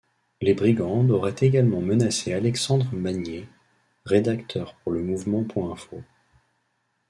Les Brigandes auraient également menacé Alexandre Maniez, rédacteur pour lemouvement.info.